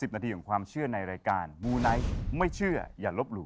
นาทีของความเชื่อในรายการมูไนท์ไม่เชื่ออย่าลบหลู่